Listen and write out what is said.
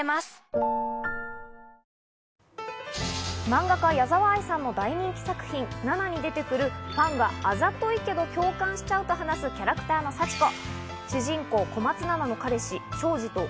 漫画家・矢沢あいさんの大人気作品『ＮＡＮＡ』に出てくるファンがあざといけど共感しちゃうと話すキャラクターの幸子。